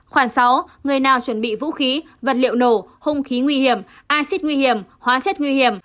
khoảng sáu người nào chuẩn bị vũ khí vật liệu nổ hung khí nguy hiểm acid nguy hiểm hóa chất nguy hiểm